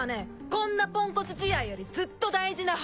こんなポンコツ試合よりずっと大事な話なの」